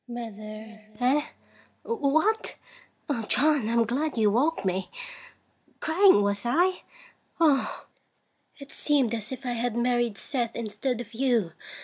Mother. Eh! What? John, I'm glad you woke me. Crying, was I? Oh! it seemed as if I had married Seth instead of you.